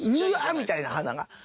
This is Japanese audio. みたいな花が。